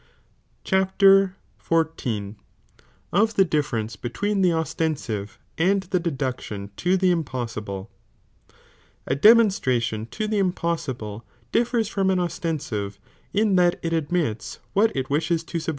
1 m Cbaf. XIV.— 0/ the difference lelween the Ostensire, and the I Beductien to the Impossible* A DEMONSTRATION to the impossible differs from i. dh ■n ostenaive, in that it admits what it wishes to S^^,"^